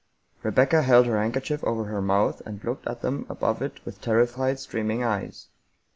Rebecca held her handkerchief over her mouth, and looked at them above it with terrified, streaming eyes.